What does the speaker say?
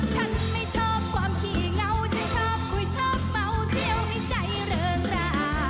ฉันไม่ชอบความขี้เหงาฉันชอบคุยชอบเมาเที่ยวให้ใจเริงรา